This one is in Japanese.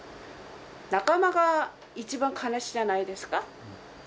仲間が一番悲しいんじゃないですか。